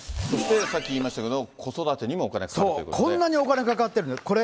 そして、さっき言いましたけれども、子育てにもお金使ってるこんなにお金かかってる。